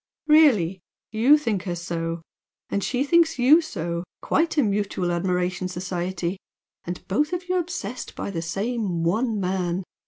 "Really! YOU think her so! And SHE thinks you so! Quite a mutual admiration society! And both of you obsessed by the same one man!